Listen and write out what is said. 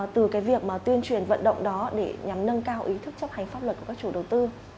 từ cái việc mà tuyên truyền vận động đó để nhằm nâng cao ý thức chấp hành pháp luật của các chủ đầu tư